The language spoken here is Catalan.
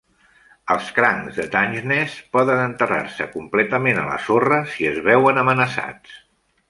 Els crancs de Dungeness poden enterrar-se completament a la sorra si es veuen amenaçats.